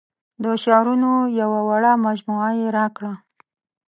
د شعرونو یوه وړه مجموعه یې راکړه.